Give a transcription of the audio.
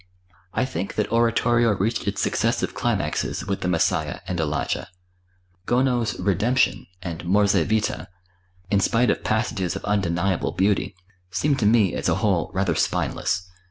I think that oratorio reached its successive climaxes with "The Messiah" and "Elijah." Gounod's "Redemption" and "Mors et Vita," in spite of passages of undeniable beauty, seem to me, as a whole, rather spineless.